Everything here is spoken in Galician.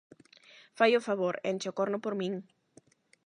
Fai o favor, enche o corno por min.